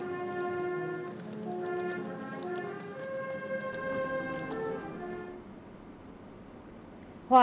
hòa trong không khí